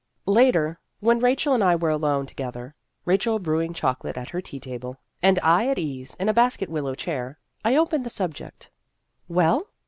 Later, when Rachel and I were alone together Rachel brewing chocolate at her tea table and I at ease in a basket willow chair I opened the subject. "Well?"